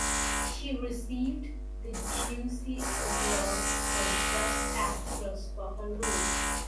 She received the Jussi Award for Best Actress for her role.